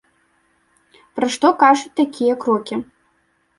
Пра што кажуць такія крокі?